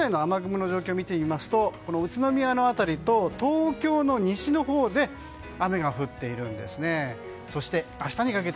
現在の雨雲の状況を見てみますと宇都宮の辺りと東京の西のほうで雨が降っているんですね。